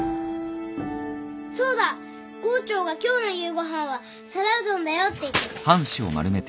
そうだ郷長が今日の夕ご飯は皿うどんだよって言ってた。